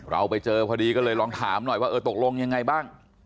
เราไปเจอพอดีก็เลยลองถามหน่อยว่าเออตกลงยังไงบ้าง